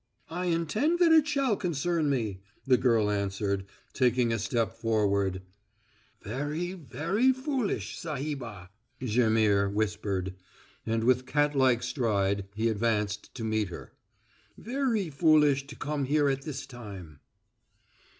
"I intend that it shall concern me," the girl answered, taking a step forward. "Veree, veree foolish, Sahibah!" Jaimihr whispered, and with catlike stride he advanced to meet her. "Veree foolish to come here at this time."